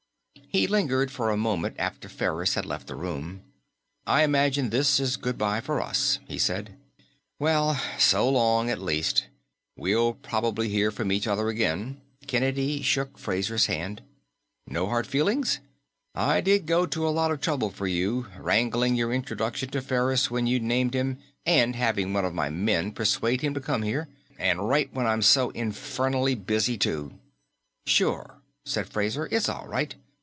He lingered for a moment after Ferris had left the room. "I imagine this is goodbye for us," he said. "Well, so long, at least. We'll probably hear from each other again." Kennedy shook Fraser's hand. "No hard feelings? I did go to a lot of trouble for you wangling your introduction to Ferris when you'd named him, and having one of my men persuade him to come here. And right when I'm so infernally busy, too." "Sure," said Fraser. "It's all right.